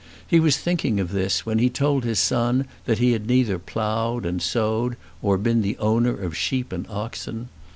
He was thinking of this when he told his son that he had neither ploughed and sowed or been the owner of sheep or oxen.